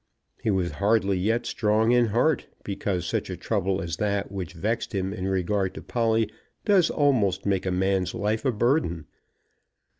He was hardly yet strong in heart, because such a trouble as that which vexed him in regard to Polly does almost make a man's life a burden.